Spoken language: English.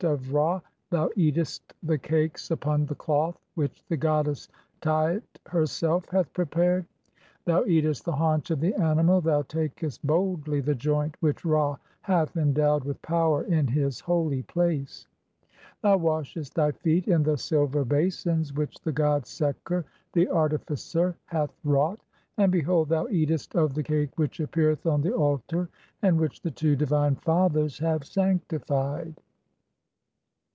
of Ra ; thou eatest the cakes upon "the cloth which the goddess Tait herself hath prepared ; thou "eatest the haunch of the animal (33) ; thou takest boldly the "joint which Ra hath endowed with power in his holy place ; "thou washest thy feet in the silver basins which the god Seker, "the artificer, hath wrought ; and behold, (34) thou eatest of "the cake which appeareth on the altar and which the two "divine fathers have sanctified.